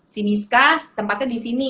si misca tempatnya disini